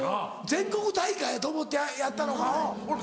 全国大会やと思ってやったのかおう。